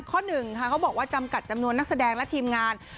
หนึ่งค่ะเขาบอกว่าจำกัดจำนวนนักแสดงและทีมงาน